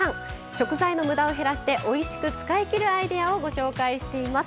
食材のムダを減らしておいしく使いきるアイデアをご紹介しています。